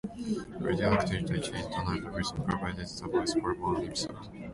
Radio actor J. Donald Wilson provided the voice for one episode.